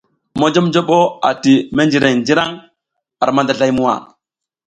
Monjoɓnjoɓo ati menjreŋ njǝraŋ ar mandazlay muwa.